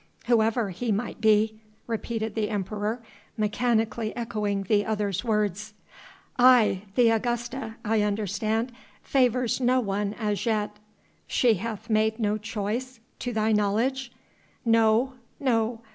"Whoever he might be," repeated the Emperor, mechanically echoing the other's words. "Aye! The Augusta, I understand, favours no one as yet." "She hath made no choice ... to thy knowledge?" "No, no